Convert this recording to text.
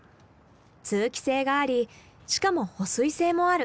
通気性がありしかも保水性もある。